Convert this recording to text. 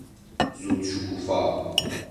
زود شکوفا